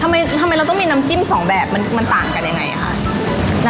ทำไมเราต้องมีน้ำจิ้มสองแบบมันต่างกันยังไงคะ